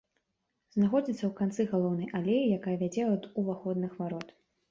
Знаходзіцца ў канцы галоўнай алеі, якая вядзе ад уваходных варот.